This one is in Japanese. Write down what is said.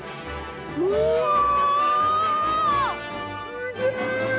すげえ！